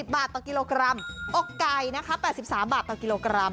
บาทต่อกิโลกรัมอกไก่นะคะ๘๓บาทต่อกิโลกรัม